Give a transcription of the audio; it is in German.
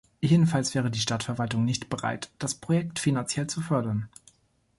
Jedenfalls wäre die Stadtverwaltung nicht bereit, das Projekt finanziell zu fördern.